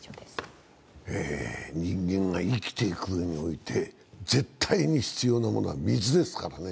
人間が生きていくうえにおいて絶対に必要なものは水ですからね。